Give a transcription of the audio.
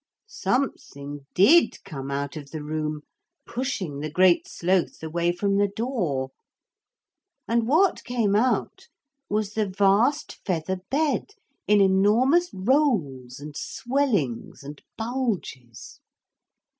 Something did come out of the room, pushing the Great Sloth away from the door. And what came out was the vast feather bed in enormous rolls and swellings and bulges.